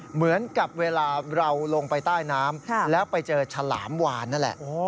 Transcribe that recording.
เหมือนกับเวลาเราลงไปใต้น้ำแล้วไปเจอฉลามวานนั่นแหละ